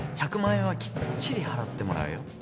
１００万円はきっちり払ってもらうよ。